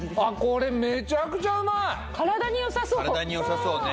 これめちゃくちゃうまい体によさそう体によさそうね